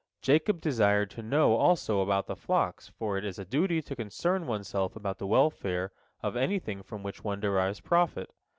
Jacob desired to know also about the flocks, for it is a duty to concern oneself about the welfare of anything from which one derives profit.